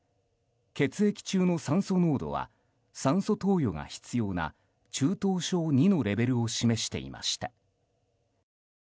血液中の酸素濃度は酸素投与が必要な中等症２のレベルを示していました。